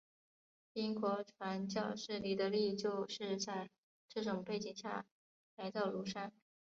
英国传教士李德立就是在这种背景下来到庐山。